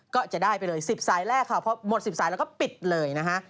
ก็จะได้ไปเลย๑๐สายแรกค่ะเพราะหมด๑๐สายแล้วก็ปิดเลยนะฮะ